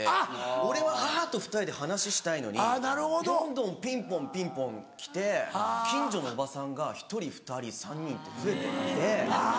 俺は母と２人で話したいのにどんどんピンポンピンポン来て近所のおばさんが１人２人３人って増えてって。